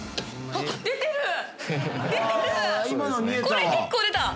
これ結構出た！